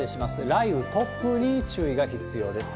雷雨、突風に注意が必要です。